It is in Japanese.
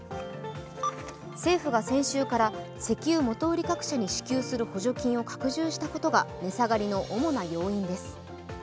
政府が先週から石油元売り各社に支給する補助金を拡充したことが値下がりの主な要因です。